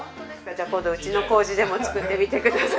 じゃあ今度うちの糀でも作ってみてください。